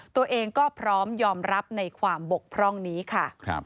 ตัวเองก็พร้อมยอมรับในความบกพร่องนี้ค่ะ